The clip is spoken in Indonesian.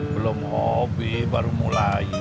belum hobi baru mulai